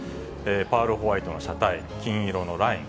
パールホワイトの車体、金色のライン。